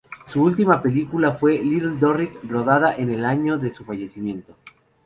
Su última película fue "Little Dorrit", rodada en el año de su fallecimiento.